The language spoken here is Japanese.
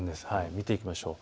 見ていきましょう。